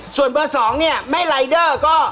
ส่วนเบอร์๒เนี่ยแม่ลายเดอร์ก็